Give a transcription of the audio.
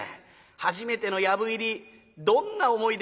初めての藪入りどんな思いで。